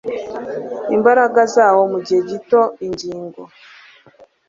imbaraga zawo Mu gihe gito ingingo